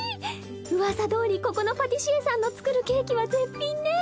うわさどおりここのパティシエさんの作るケーキは絶品ね。